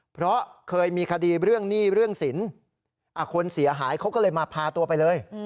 เพราะเคยมีคดีเรื่องหนี้เรื่องสินคนเสียหายเขาก็เลยมาพาตัวไปเลย